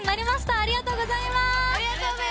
ありがとうございます。